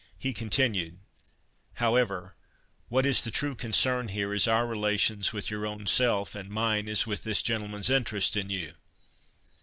He continued, "However, what is the true concern here is our relations with your own self, and mine is with this gentleman's interest in you.